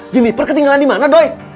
jeniper ketinggalan di mana doi